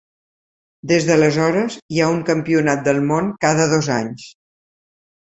Des d'aleshores, hi ha un Campionat del Món cada dos anys.